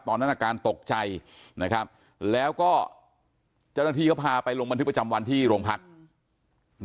ตอนนั้นอาการตกใจนะครับแล้วก็เจ้าหน้าที่เขาพาไปลงบันทึกประจำวันที่โรงพักษณ์